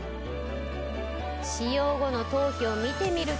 使用後の頭皮を見てみると。